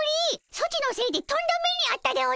ソチのせいでとんだ目にあったでおじゃる！